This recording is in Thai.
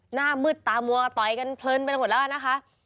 หน้ามืดตามัวต่อยกันเพลินไปหมดแล้วนะคะ